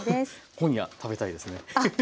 今夜食べたいですねフフフ。